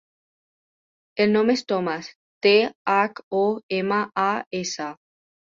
El nom és Thomas: te, hac, o, ema, a, essa.